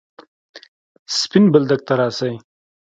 سپين بولدک ته راسئ!